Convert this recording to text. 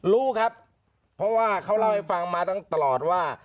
รู้ครับเพราะว่าเขาเล่าให้ฟังมาตั้งตลอดว่า